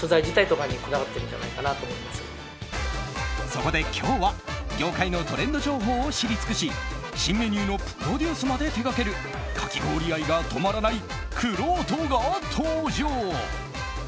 そこで今日は業界のトレンド情報を知り尽くし新メニューのプロデュースまで手掛けるかき氷愛が止まらないくろうとが登場。